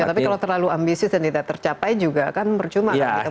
tapi kalau terlalu ambisius dan tidak tercapai juga kan bercuma kan kita membuat target